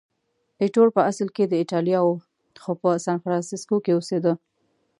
ایټور په اصل کې د ایټالیا و، خو په سانفرانسیسکو کې اوسېده.